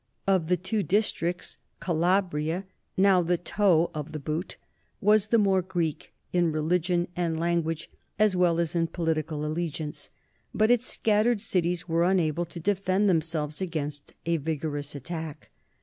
Of the two dis tricts Calabria, now the toe of the boot, was the more Greek, in religion and language as well as in political allegiance, but its scattered cities were unable to defend themselves against a vigorous attack.